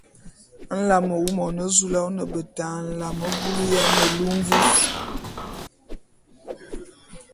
Nlame wu, Monezoula, ô ne beta nlame bulu ya melu mvus.